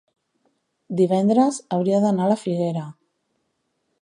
divendres hauria d'anar a la Figuera.